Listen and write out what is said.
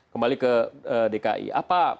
kembali ke dki apa